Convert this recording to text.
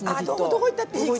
どこ行ったって平気さ。